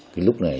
cái lúc này